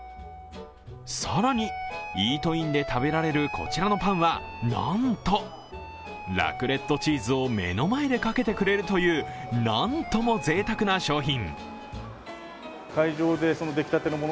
更に、イートインで食べられるこちらのパンは、なんとラクレットチーズを目の前でかけてくれるというなんともぜいたくな商品。